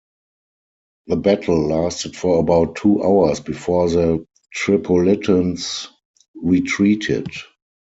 The battle lasted for about two hours before the Tripolitans retreated.